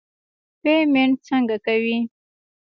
پیمنټ څنګه کوې.